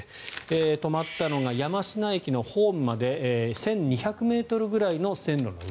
止まったのが山科駅のホームまで１２００ｍくらいの線路の上。